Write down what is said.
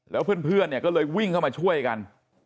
แล้วเพื่อนเนี่ยก็เลยวิ่งเข้ามาช่วยกัน